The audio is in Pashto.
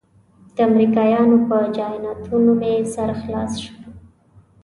د امریکایانو په خیانتونو مې سر خلاص شو.